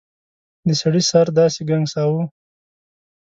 د سړي سر داسې ګنګساوه.